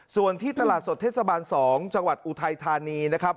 ส่วนที่ตลาดสดเทศบาล๒จังหวัดอุทัยธานีนะครับ